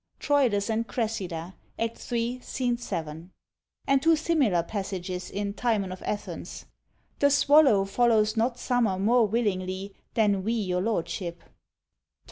Troilus and Cressida, Act iii. s. 7. And two similar passages in Timon of Athens: The swallow follows not summer more willingly than we your lordship.